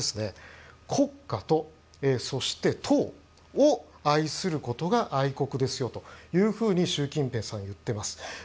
国家と党を愛することが愛国ですよというふうに習近平さんは言っています。